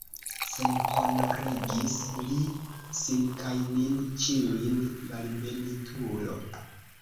Senhonorigis li sin kaj nin ĉiujn, malbenitulo!